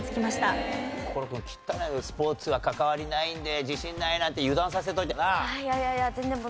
心君汚い「スポーツは関わりないので自信ない」なんて油断させておいてな。